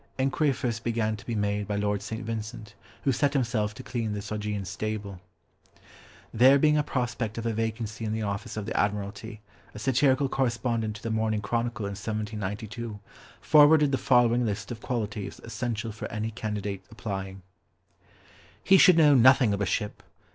Enquiry first began to be made by Lord St. Vincent, who set himself to clean this Augean stable. There being a prospect of a vacancy in the office of the Admiralty, a satirical correspondent to the Morning Chronicle in 1792 forwarded the following list of qualities essential for any candidate applying:— He should know nothing of a ship.